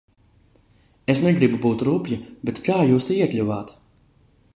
Es negribu būt rupja, bet kā jūs te iekļuvāt?